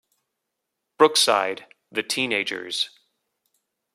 Brookside: The Teenagers.